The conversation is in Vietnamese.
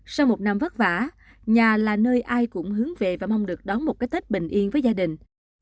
sau một năm vất vả nhà là nơi ai cũng hướng về và mong được đón một cái tết bình yên với gia đình